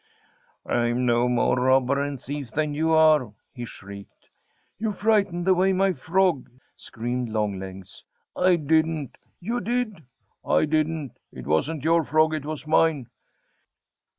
"I'm no more robber and thief than you are!" he shrieked. "You frightened away my Frog!" screamed Longlegs. "I didn't!" "You did!" "I didn't! It wasn't your Frog; it was mine!"